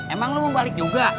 emang lo mau balik juga